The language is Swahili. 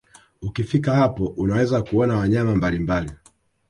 Ukifika hapo unaweza kuona wanyama mbalimbali